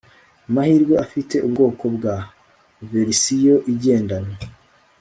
Amahirwe afite ubwoko bwa verisiyo igendanwa